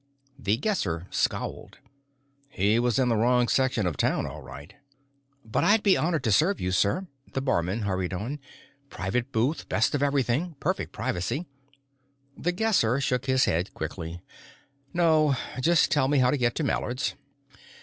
The Guesser scowled. He was in the wrong section of town, all right. "But I'd be honored to serve you, sir," the barman hurried on. "Private booth, best of everything, perfect privacy " The Guesser shook his head quickly. "No. Just tell me how to get to Mallard's."